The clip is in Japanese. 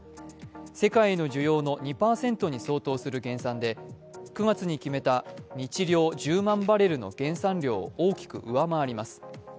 世界の需要の２％に相当する減産で９月に決めた日量１０万バレルの減産量を大きく上回ります。